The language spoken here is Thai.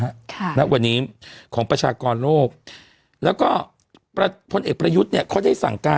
ค่ะณวันนี้ของประชากรโลกแล้วก็ประพลเอกประยุทธ์เนี้ยเขาได้สั่งการ